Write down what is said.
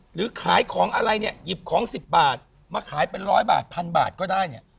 หรือขายของอะไรเนี่ยหยิบของ๑๐บาทมาขายเป็นร้อยบาทพันบาทก็ได้เนี่ย